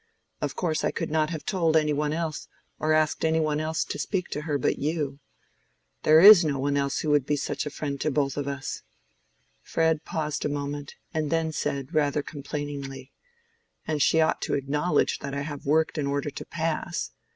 Of course I could not have told any one else, or asked any one else to speak to her, but you. There is no one else who could be such a friend to both of us." Fred paused a moment, and then said, rather complainingly, "And she ought to acknowledge that I have worked in order to pass.